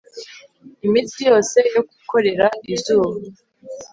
imitsi yose yo gukorera izuba